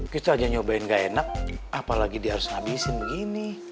kita hanya nyobain gak enak apalagi dia harus ngabisin begini